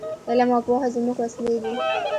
علم او پوهه زموږ وسلې دي.